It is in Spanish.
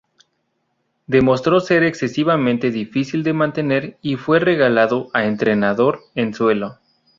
Demostró ser excesivamente difícil de mantener y fue relegado a entrenador en suelo.